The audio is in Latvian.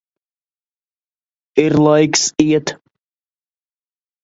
Ir laiks iet.